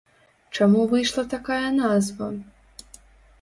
Чаму выйшла такая назва?